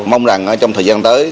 mong rằng trong thời gian tới